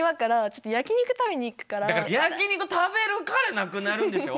だから焼き肉食べるからなくなるんでしょ！